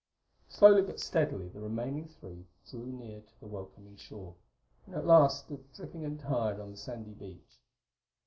Slowly but steadily the remaining three drew near to the welcoming shore, and at last stood dripping and tired on the sandy beach.